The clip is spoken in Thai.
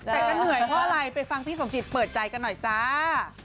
แต่จะเหนื่อยเพราะอะไรไปฟังพี่สมจิตเปิดใจกันหน่อยจ้า